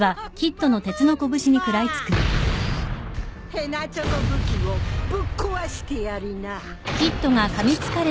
へなちょこ武器をぶっ壊してやりな。